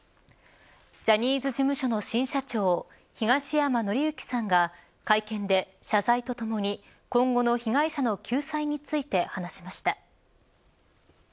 ジャニーズ事務所の新社長東山紀之さんが会見で謝罪とともに今後の被害者の救済について話しました。